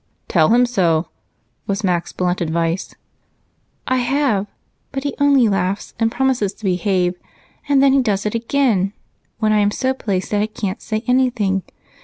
"Tell him so," was Mac's blunt advice. "I have, but he only laughs and promises to behave, and then he does it again when I am so placed that I can't say anything.